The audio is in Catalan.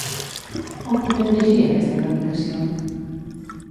On podem llegir aquesta dedicació?